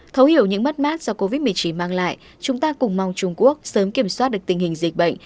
thấu hiểu những mất mát do covid một mươi chín mang lại chúng ta cùng mong trung quốc sớm kiểm soát được tình hình dịch bệnh